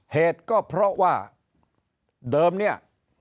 เหตุก็เพราะว่าเดิมเนี่ย